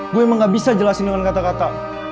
gue emang gak bisa jelasin dengan kata kata